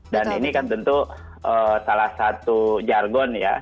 dan ini kan tentu salah satu jargon ya